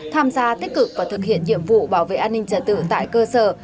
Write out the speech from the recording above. tham gia tích cực và thực hiện nhiệm vụ bảo vệ an ninh trả tự tại cơ sở